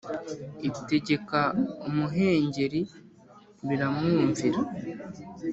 Itegeka umuhengeri biramwumvira